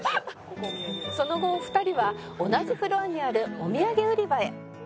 「その後お二人は同じフロアにあるお土産売り場へ」